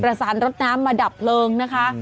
ประสานรถน้ำมาดับเปลืองนะคะอืม